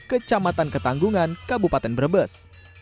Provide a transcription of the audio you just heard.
kecamatan ketanggungan kabupaten brebes